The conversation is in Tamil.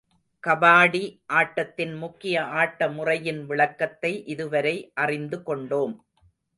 கபாடி ஆட்டத்தின் முக்கிய ஆட்ட முறையின் விளக்கத்தை இதுவரை அறிந்து கொண்டோம்.